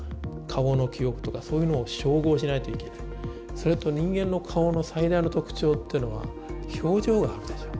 それと人間の顔の最大の特徴っていうのは表情があるでしょう。